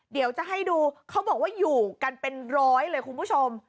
เดี๋ยวจะให้ดูเขาบอกว่าอยู่กันเป็นร้อยเลยคุณผู้ชม